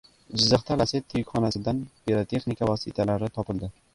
Jizzaxda "Lacetti" yukxonasidan pirotexnika vositalari topildi